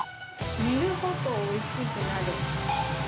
煮るほどおいしくなる。